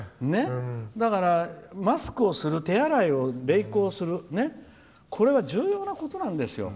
だから、マスクをする手洗いを励行するこれは重要なことなんです。